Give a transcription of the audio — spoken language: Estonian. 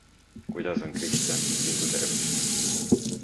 Kuidas on Kristjan Kitsingu tervis?